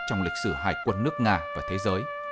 trong lịch sử hải quân nước nga và thế giới